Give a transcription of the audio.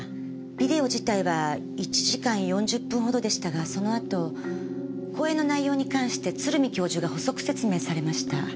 ビデオ自体は１時間４０分ほどでしたがその後講演の内容に関して鶴見教授が補足説明されました。